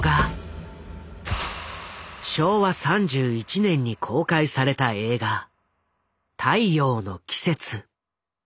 昭和３１年に公開された映画「太陽の季節」。